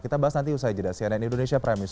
kita bahas nanti usai jeda cnn indonesia prime news